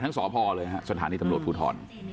ทั้งสอปพอเลยค่ะสถานีก็จะพูดถอด